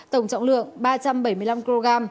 tổng trọng lượng ba trăm bảy mươi năm kg